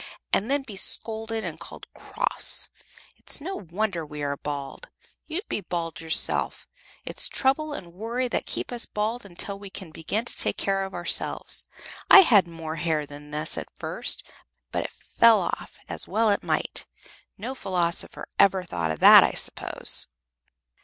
And then be scolded and called 'cross!' It's no wonder we are bald. You'd be bald yourself. It's trouble and worry that keep us bald until we can begin to take care of ourselves; I had more hair than this at first, but it fell off, as well it might. No philosopher ever thought of that, I suppose!"